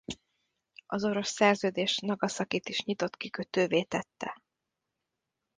Az orosz szerződés Nagaszakit is nyitott kikötővé tette.